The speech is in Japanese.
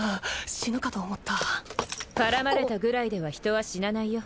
死ぬかと思った絡まれたぐらいでは人は死なないよ